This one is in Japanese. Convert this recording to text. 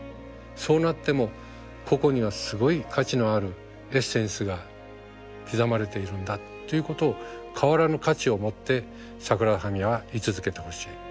そうなってもここにはすごい価値のあるエッセンスが刻まれているんだっていうことを変わらぬ価値を持ってサグラダ・ファミリアは居続けてほしい。